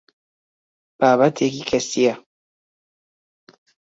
بابەتێکی کەسییە.